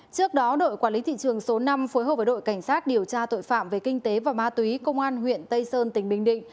trước đó đội quản lý thị trường số năm phối hợp với đội cảnh sát điều tra tội phạm về kinh tế và ma túy công an huyện tây sơn tỉnh bình định